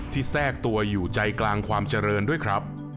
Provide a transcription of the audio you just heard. แทรกตัวอยู่ใจกลางความเจริญด้วยครับ